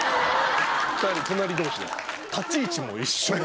２人隣同士で。